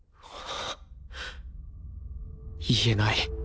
言えない。